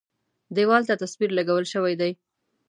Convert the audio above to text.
دېوال ته تصویر لګول شوی دی.